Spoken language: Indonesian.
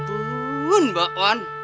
ampun mbak wan